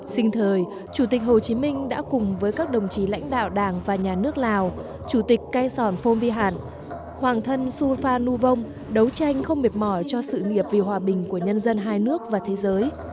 sinh thời chủ tịch hồ chí minh đã cùng với các đồng chí lãnh đạo đảng và nhà nước lào chủ tịch cai sòn phong vi hạn hoàng thân su phan nu vong đấu tranh không mệt mỏi cho sự nghiệp vì hòa bình của nhân dân hai nước và thế giới